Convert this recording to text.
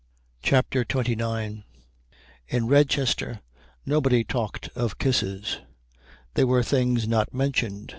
CHAPTER XXIX In Redchester nobody talked of kisses. They were things not mentioned.